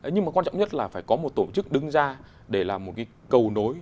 nhưng mà quan trọng nhất là phải có một tổ chức đứng ra để làm một cái cầu nối